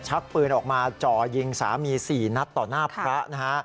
ชักปืนออกมาจ่อยิงสามี๔นัดต่อหน้าพระนะฮะ